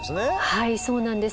はいそうなんです。